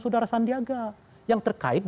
saudara sandi arief yang terkait